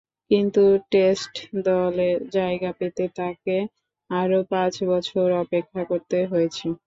কিন্তু টেস্ট দলে জায়গা পেতে তাকে আরও পাঁচ বছয় অপেক্ষা করতে হয়েছে।